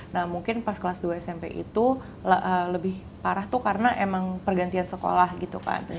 nah mungkin pas kelas dua smp itu lebih parah tuh karena emang pergantian sekolah gitu kan